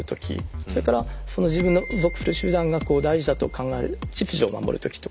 それから自分の属する集団が大事だと考える秩序を守るときとか。